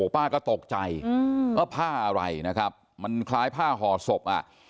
ป้าก็ตกใจว่าพ่าอะไรเนี่ยคราวฟ้าหอศก